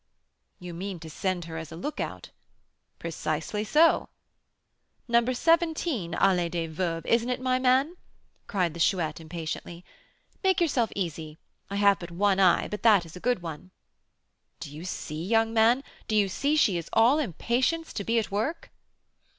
"You mean to send her as a lookout?" "Precisely so." "No. 17, Allée des Veuves, isn't it, my man?" cried the Chouette, impatiently. "Make yourself easy: I have but one eye, but that is a good one." "Do you see, young man, do you see she is all impatience to be at work?"